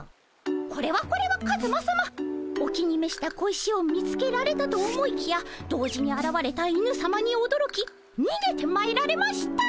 これはこれはカズマさまお気に召した小石を見つけられたと思いきや同時にあらわれた犬さまにおどろきにげてまいられました。